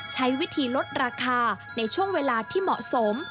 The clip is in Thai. ใช้วิธีลดราคาในช่วงเวลาที่เหมาะสม